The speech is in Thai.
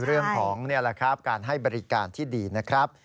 เรื่องของการให้บริการที่ดีนะครับ